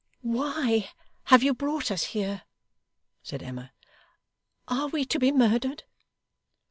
'Why have you brought us here?' said Emma. 'Are we to be murdered?